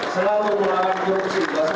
assalamualaikum warahmatullahi wabarakatuh